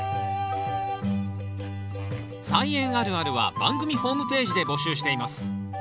「菜園あるある」は番組ホームページで募集しています。